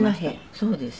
そうです。